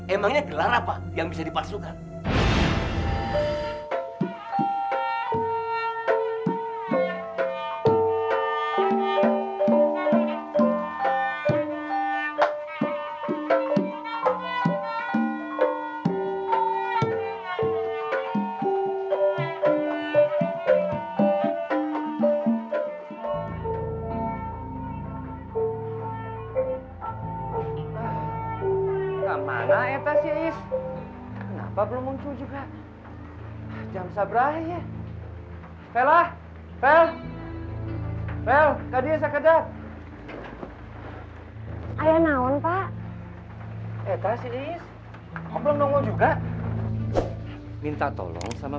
emangnya gelara pak yang bisa dipaksukan